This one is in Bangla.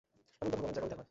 এমন কথা বলেন, যা কবিতা নয়।